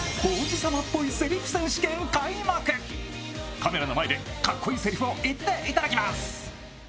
カメラの前でかっこいいせりふを言っていただきます。